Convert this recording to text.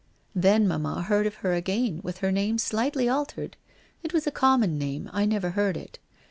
Then mamma heard of her again, with her name slightly al tered — it was a common name, I never heard it.